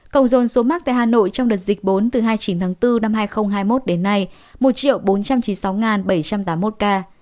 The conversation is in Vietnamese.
cộng dồn số mắc tại hà nội trong đợt dịch bốn từ hai mươi chín tháng bốn năm hai nghìn hai mươi một đến nay một bốn trăm chín mươi sáu bảy trăm tám mươi một ca